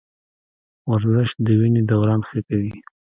ورزش د وینې دوران ښه کوي.